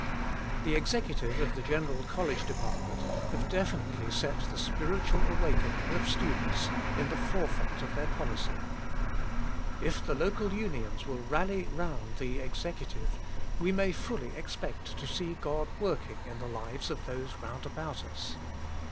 The Executive of the Gen eral College Department have definitely set the Spiritual Awakening of Students in the fore front of their policy. If the local Unions will rally round the Executive we may fully expect to 156 Soul Winning 1 57 see God working in the lives of those round about us.